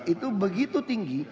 itu begitu tinggi